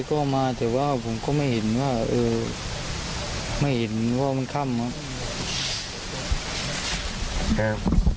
ก็มาแต่ว่าผมก็ไม่เห็นว่าไม่เห็นว่ามันค่ำครับ